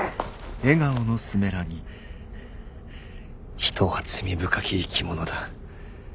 人は罪深き生き物だ。